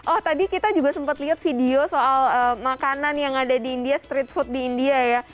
oh tadi kita juga sempat lihat video soal makanan yang ada di india street food di india ya